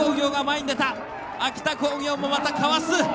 秋田工業もかわす！